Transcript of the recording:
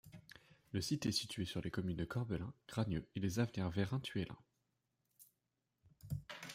Le site est situé sur les communes de Corbelin, Granieu et Les Avenières Veyrins-Thuellin.